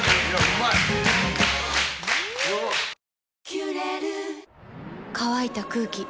「キュレル」乾いた空気。